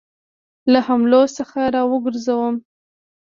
له حملو څخه را وګرځوم.